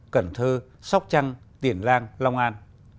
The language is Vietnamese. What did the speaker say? cần thơ sóc trăng tiền lan long an